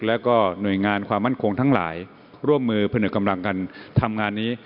แล้วก็หน่วยงานความมั่นคงทั้งหลายร่วมมือพนึกกำลังกันทำงานนี้